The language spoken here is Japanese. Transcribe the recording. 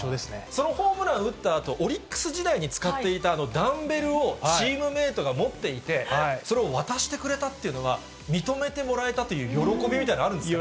そのホームラン打ったあと、オリックス時代に使っていたあのダンベルをチームメートが持っていて、それを渡してくれたっていうのは、認めてもらえたという喜びみたいなものあるんですか？